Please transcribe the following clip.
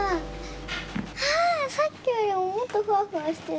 ああさっきよりももっとふわふわしてる！